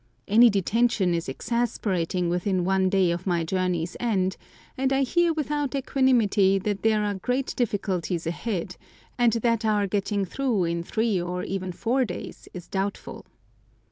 Any detention is exasperating within one day of my journey's end, and I hear without equanimity that there are great difficulties ahead, and that our getting through in three or even four days is doubtful.